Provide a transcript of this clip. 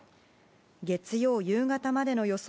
月曜、夕方までの予想